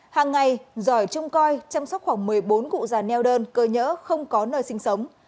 hàng ngày giỏi trông coi chăm sóc khoảng một mươi bốn cụ già neo đơn cơ nhỡ không có nơi sinh sống